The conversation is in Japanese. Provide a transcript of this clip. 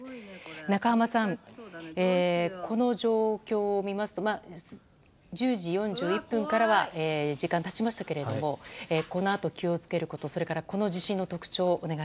中濱さん、この状況を見ますと１０時４１分からは時間が経ちましたけれどもこのあと気を付けることそれからこの地震の特徴